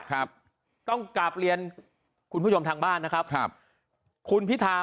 ครับต้องกลับเรียนคุณผู้ชมทางบ้านนะครับครับคุณพิธา